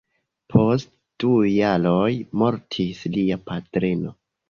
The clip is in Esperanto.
Post du jaroj mortis lia patrino.